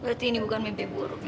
berarti ini bukan mimpi buruk